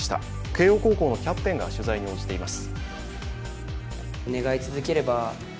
慶応高校のキャプテンが取材に応じています。